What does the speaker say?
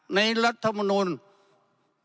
ในรัฐมนตรี